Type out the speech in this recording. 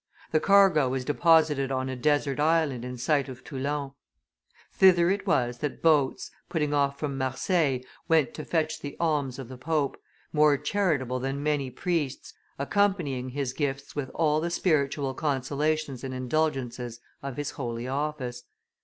The cargo was deposited on a desert island in sight of Toulon. Thither it was that boats, putting off from Marseilles, went to fetch the alms of the pope, more charitable than many priests, accompanying his gifts with all the spiritual consolations and indulgences of his holy office.